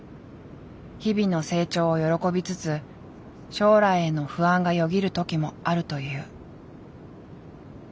日々の成長を喜びつつ将来への不安がよぎる時もあるという。